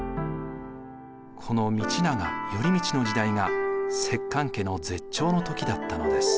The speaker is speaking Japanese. この道長・頼通の時代が摂関家の絶頂の時だったのです。